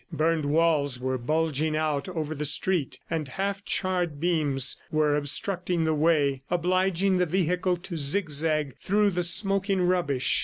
Burned walls were bulging out over the street and half charred beams were obstructing the way, obliging the vehicle to zigzag through the smoking rubbish.